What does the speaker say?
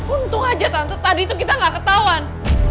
untung aja tante itu kita gak ketahuan